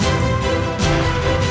yang lebih coba